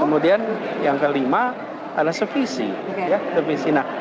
kemudian yang kelima adalah sevisi